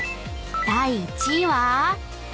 第１位は］